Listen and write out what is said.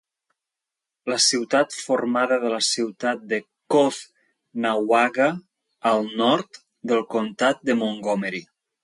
La ciutat formada de la ciutat de Caughnawaga, al nord del comtat de Montgomery.